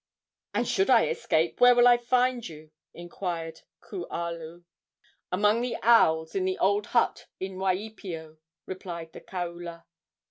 "And should I escape, where will I find you?" inquired Kualu. "Among the owls in the old hut in Waipio," replied the kaula.